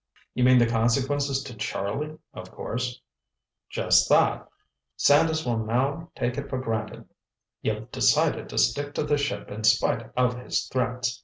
"You mean the consequences to Charlie of course—" "Just that. Sanders will now take it for granted you've decided to stick to the ship in spite of his threats.